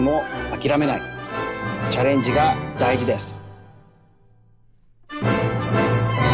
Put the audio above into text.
チャレンジがだいじです。